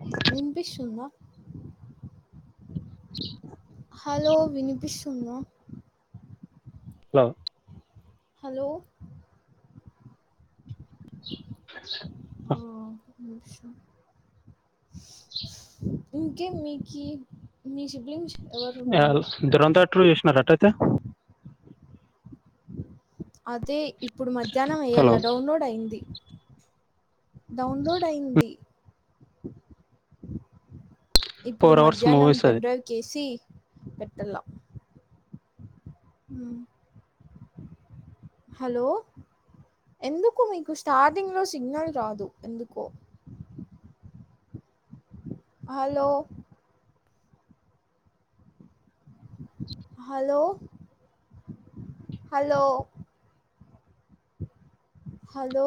ఉ వినిపిస్తుంద హలో వినిపిస్తుందా? Hello hello [unintelligible] [unintelligible] ఇంకేం మీకి మీ [unintelligible] ఎవరున్నారు? [unintelligible] అదే ఇప్పుడు మధ్యనం హలో వెయ్యేల్లా డౌన్లోడ్ అయింది డౌన్లోడ్ అయింది ఇప్పుడు ఫోర్ అవర్స్ మధ్యానం మూవీస్ అది పెన్ డ్రైవ్కిసి పెట్టల అ హలో ఎందుకో మీకు స్టార్టింగ్లో సిగ్నల్ రాదు ఎందుకో hello hello hello hello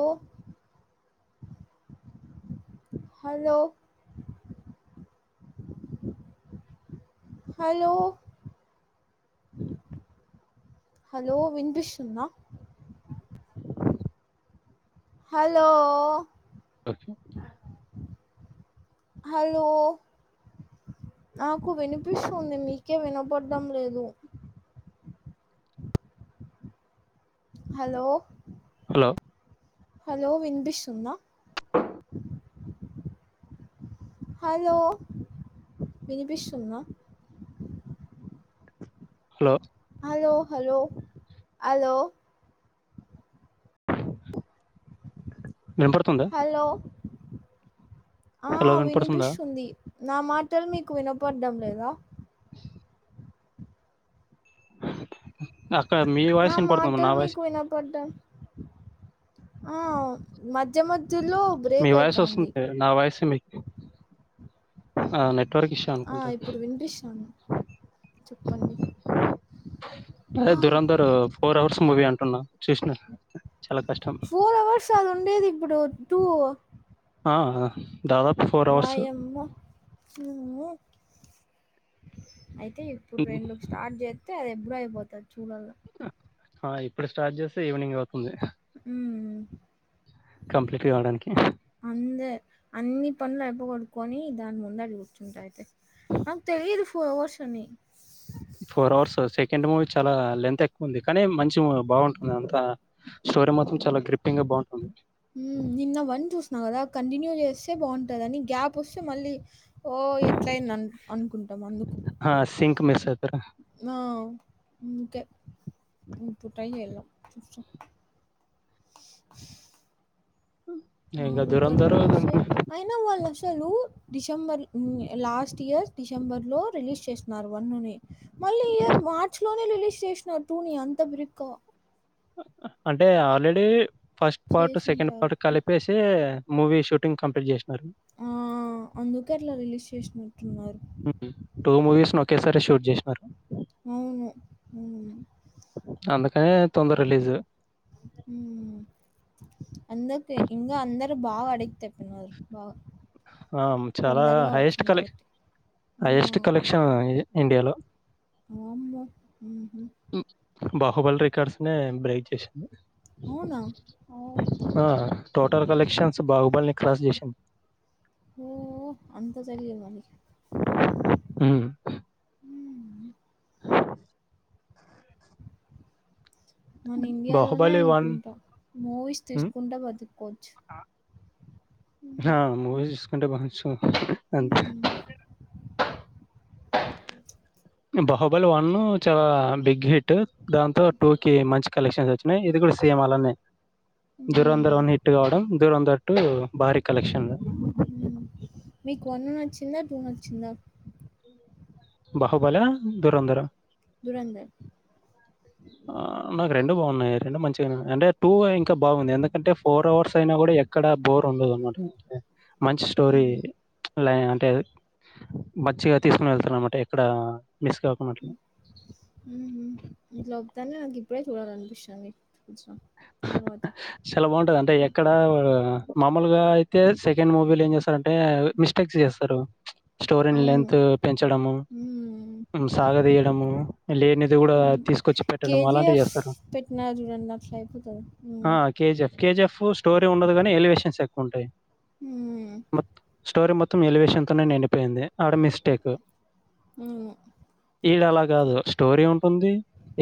hello hello hello వినిపిస్తుంద హలో స హలో నాకు వినిపిస్తుంది మీకే [unintelligible] [unintelligible] లేదు హలో హలో హలో వినిపిస్తుంద ఆ హలో వినిపిస్తుంద హలో హలో హలో హలో వినపడుతుందా హలో ఆ హలో వినపడుతుందా వినిపిస్తుంది నా మాటలు మీకు వినపడ్డం లేదా [unintelligible] నా నా మాటల్ వాయిస్ మీకు [unintelligible] ఆ మధ్య మధ్యలో మీ బ్రేక్ వాయిస్ అయితంది వస్తుంది నా వాయిసే [unintelligible] [unintelligible] ఆ అనుకుంటా ఇప్పుడు [unintelligible] చెప్పండి అదే దురంధర్ ఫోర్ అవర్స్ మూవీ అంటున్నా చూసి [unintelligible] ఫోర్ అవర్స్ అది ఉండేది ఇప్పుడు టూ ఆ దాదాపు ఫో వాయమ్మ అయితే ఇప్పుడు రెండ్కి స్టార్ట్ చేస్తే అది [unintelligible] అయిపోతది చూడల ఆ ఇప్పుడు స్టార్ట్ చేస్తే ఈవినింగ్ అవుతుంది ఉమ్ కంప్లీట్ కావడానికి అందే అన్ని పనులు అయిపోగొడుటుకొని దాని ముందడ కూర్చుంట అయితే నాకు తెలిదు ఫోర్అవర్స్ అనీ ఫోర్ అవర్స్ సెకండ్ మూవీ చాలా లెంత్ ఎక్కువ ఉంది కానీ మంచి మూవీ బాగుంటుంది అంతా స్టోరీ మాత్రం చాలా గ్రిప్పింగ్ గా బాగుంటుంది నిన్న వన్ చూసినా కదా కంటిన్యూ చేస్తే బాగుంటుందని గ్యాప్ వస్తే మళ్ళీ ఓ ఎట్ల అయింది అనుకుంటాం అందుకు హ సింక్ మిస్ అయితార ఆ అందుకే ఇప్పుడు ట్రై చేయాలా ఇంక నాలుగు 'దురంధర్' గంటలసేప్ అయినా వాళ్ళ అసలు డిసెంబర్ లాస్ట్ ఇయర్ డిసెంబర్ లో రిలీజ్ చేసినారు వన్నుని మళ్ళీ ఈ ఇయర్ మార్చి లోనే రిలీజ్ చేసినారు టూనీ అంత బ్రిక్ గా అంటే ఆల్రెడీ ఫస్ట్ పార్ట్ సెకండ్ చేసుంటారు. పార్ట్ కలిపి ప్పేసే మూవీ షూటింగ్ కంప్లీట్ చేసినారు ఆ అందుకే అట్లా రిలీజ్ చేసినట్టున్నారు టూ మూవీస్ ను ఒకేసారి షూట్ చేసినారు అవును ఉ అందుకనే తొందర రిలీజ్ ఉమ్ అందుకే ఇంకా అందరు బాగా పడిక్టైపోయినారు బాగా ఆ చాలా తొందరగా హైయెస్ట్ వచ్చింది కలె కాబట్టి. ఆ! హైయెస్ట్ కలెక్షన్ ఇండియాలో వామ్మో ఊ హు బాహుబలి రికార్డ్స్ నే బ్రేక్ చేసింది అవునా ఓ ఆ టోటల్ కలెక్షన్స్ బాహుబలిని క్రాస్ చేసింది ఓ అంత చలియ మనకి ఉ హ్మ్. మన ఇండియాలోనే 'బాహుబలి అనుకుంటా మూవీస్ హ్మ్. తీసుకుంటా బతుకోవచ్చు ఆ మూవీ చూసుకుంట బాగుచ్చు అంతే హ్మ్. బాహుబలీ వన్ చాలా బిగ్ హిట్ దాంతో టూ కి మంచి కలెక్షన్స్ వచ్చినాయి ఇది కూడా సేమ్ అలానే దూరంధర్ హ్మ్. వన్ హిట్ కావడం దూరంధర్ టు భారీ కలెక్షన్లు మీకు వన్ నచ్చిందా టూ నచ్చిందా బహుబలా దురంధరా దురంధర్ నాకు రెండు బాగున్నాయి రెండు మంచిగా అంటే టూ ఇంకా బాగుంది ఎందుకంటే ఫోర్ అవర్స్ అయినా కూడా ఎక్కడ బోర్ ఉండదు అన్నమాట మంచి స్టోరీ ఆహా! అ అంటే మచ్చిగా తీసుకుని వెళ్తారు అనమాట ఎక్కడ మిస్ కాకుండా అట్లా. ఉహు ఇట్లా చెప్తుంటే నాకు ఇప్పుడే చూడాలి అనిపిస్తుంది తెలుసా తర్వాత చాలా బాగుంటది అంటే ఎక్కడ మామూలుగా అయితే సెకండ్ మూవీలు ఏం చేస్తారంటే మిస్ స్టేక్స్ చేస్తారు స్టోరని అవును. లెంత్ పెంచడము హ్మ్. సాగదీయడము లేనిది కూడా తీసుకొచ్చి కే పెట్టడం జీ అలాంటివి ఎఫ్ చేస్తారు పెట్న జుడండి ఒకసారి అయిపోతాదేమో ఆ కేజిఎఫ్ కేజిఎఫ్ స్టోరీ ఉండదు కాని ఎలివేషన్స్ ఎక్కువ ఉంటాయి ఉం స్టోరీ మొత్తం ఎలివేషన్ తోనే నిండిపోయింది ఆడ మిస్టేక్ ఉం ఈడ అలా కాదు స్టోరీ ఉంటుంది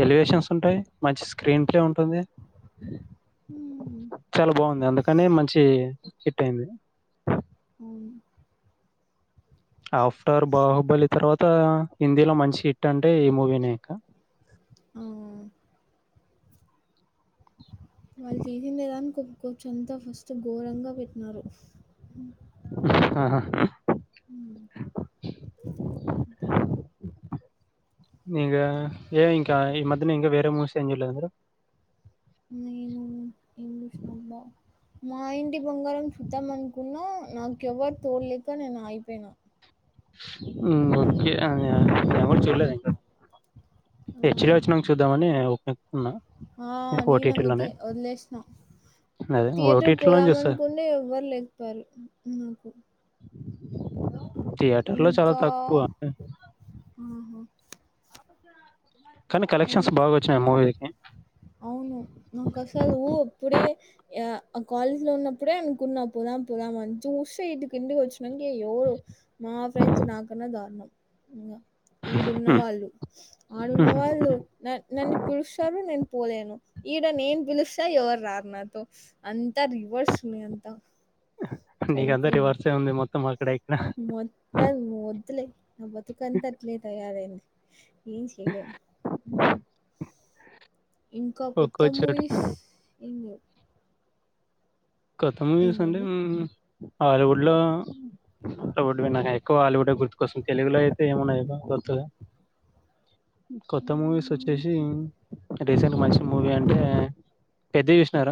ఎలివేషన్స్ ఉంటాయి మంచి స్క్రీన్ ప్లే ఉంటుంది హ్మ్. చాలా బాగుంది అందుకనే మంచి హిట్ అయింది అవును ఆఫ్టర్ బాహుబలి తర్వాత హిందీలో మంచి హిట్ అంటే ఈ మూవీనే ఇంక ఆ వాళ్ళు తీసిందే దానికే వచ్చి అంతా ఫస్ట్ ఘోరంగా పెట్టినారు ఉం ఆహా ఇంగా ఏ ఇంకా ఈ మధ్యన ఇంకా వేరే మూవీస్ ఏమ్ చుడలేదా మీరు నేను ఏమ్ చూసి నాబ్బ మా ఇంటి బంగారం చుద్దాం అనుకున్నా నాకెవరు తోడ్లేక నేను అగిపోయిన ఉం ఓకె ఎవరూ చుడలెద ఇంక ఆ హెచ్ డి వచ్చినక చూద్దామని పెతున్నా [unintelligible] ఆ నేను అందుకే వదిలేసినా అదే థియేటర్ ఓటీటీలోనే చూస్తా. పోదామనుకుంటే ఎవ్వరు లేకపోయారు నాకు ర్లో చాలా ఇంకా తక్కువ ఆహా కానీ కలెక్షన్స్ ఇంకా బాగా వచ్చినాయి మూవీకి అవును నాకు అసలు అప్పుడే ఆ కాలేజ్ లో ఉన్నప్పుడే అనుకున్నా పోదామ్ పోదామ్ అని చుస్తే ఇటు ఇంటికి వచ్చ అయ్యో అయ్యో మా ఫ్రండ్స్ నాకున్న దారుణం ఇంగ హ్మ్. ఈడున్నవాళ్ళు ఆడున్న హ్మ్. వాళ్ళు నా నన్న పిలిస్తురు నేను పోలేను ఈడ నేన్ పిలుస్తా ఎవరు రార్ నాతో అంతా రివెర్సె ఉన్నయ్ అంత నీక ఆంత రీవెర్సె ఉంది మొత్తం అక్కడ ఇక్కడ మొత్తం వద్దులే నా బతుకంతా అట్లే తయారైంది ఏం చెయ్లెమ్ ఇంకా కొత్త ఒక్కో చోట. మూవీస్ ఎం లెవ్ కోత్త మూవీస్ అంటే ఏంటండి? హాలివూడ్లో [unintelligible] అవుడ్వి నాకు ఎక్కువ హాలీవుడే గుర్తు కు వస్తుది తెలుగులో అయితే ఏమున్నాయ గుర్తుగా కొత్త మూవీస్ హ్మ్. వచ్చేసి రీసెంట్ మంచి మూవీ అంటే పెద్ది చూసినార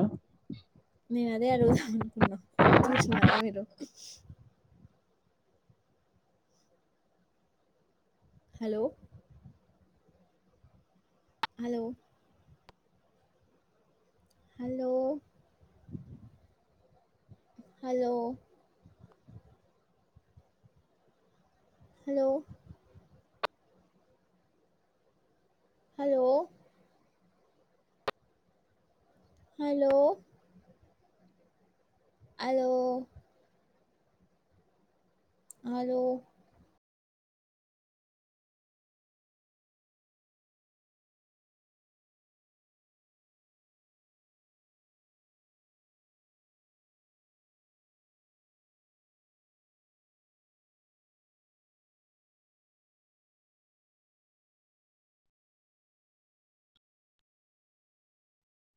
నేను అదే అడుగుదాం అనుకున్నా చూసినారా మీరు hello hello hello hello hello hello hello hello hello